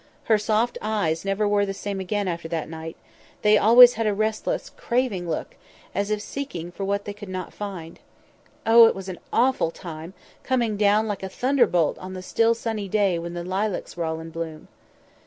Her soft eyes never were the same again after that; they had always a restless, craving look, as if seeking for what they could not find. Oh! it was an awful time; coming down like a thunder bolt on the still sunny day when the lilacs were all in bloom."